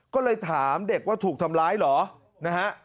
ก็เลยถามเด็กว่าถูกทำร้ายเหรอนะฮะ